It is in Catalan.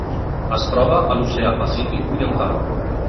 Es troba a l'Oceà Pacífic oriental: